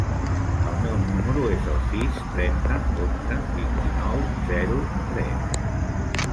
El meu número es el sis, trenta, onze, vint-i-nou, zero, tres.